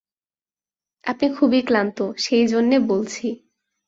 আপনি খুব ক্লান্ত, সেই জন্যে বলছি।